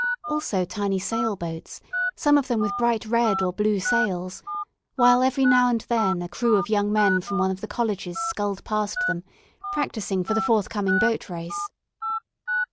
Also tiny sailboats, some of them with bright red or blue sails; while every now and then a crew of young men from one of the colleges sculled past them, practising for the forthcoming boat race.